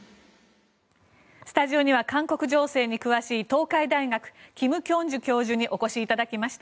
スタジオには韓国情勢に詳しい、東海大学金慶珠教授にお越しいただきました。